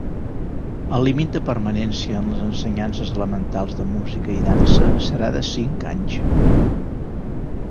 El límit de permanència en les ensenyances elementals de Música i Dansa serà de cinc anys.